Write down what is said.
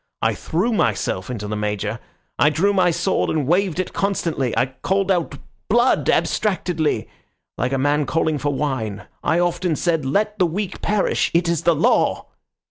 I threw myself into the major. I drew my sword and waved it constantly. I called out 'Blood!' abstractedly, like a man calling for wine. I often said, 'Let the weak perish; it is the Law.